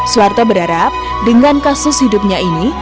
suharto berharap dengan kasus hidupnya ini